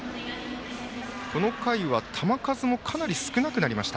この回は球数もかなり少なくなりました。